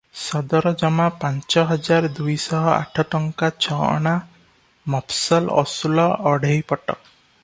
ସଦରଜମା ପାଞ୍ଚ ହଜାର ଦୁଇଶହ ଆଠ ଟଙ୍କା ଛ ଅଣା; ମଫସଲ ଅସୁଲ ଅଢ଼େଇ ପଟ ।